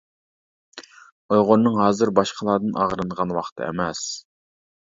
ئۇيغۇرنىڭ ھازىر باشقىلاردىن ئاغرىنىدىغان ۋاقتى ئەمەس.